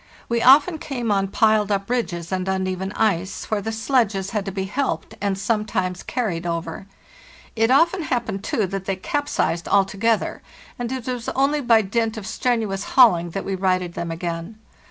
We often came on piled up ridges and uneven ice, where the sledges had to be helped and sometimes carried over. It often happened, too, that they capsized altogether, and it was only by dint of strenuous hauling that we righted them again.